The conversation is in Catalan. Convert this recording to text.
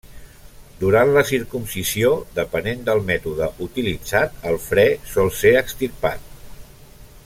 Durant la circumcisió, depenent del mètode utilitzat, el fre sol ser extirpat.